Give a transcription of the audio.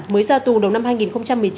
mới ra tù đầu năm hai nghìn một mươi chín